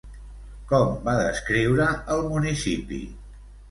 Com va descriure el municipi?